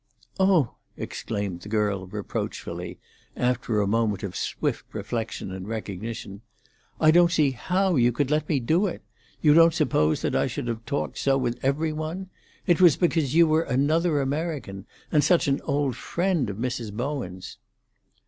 "Oh!" exclaimed the girl reproachfully, after a moment of swift reflection and recognition, "I don't see how you could let me do it! You don't suppose that I should have talked so with every one? It was because you were another American, and such an old friend of Mrs. Bowen's."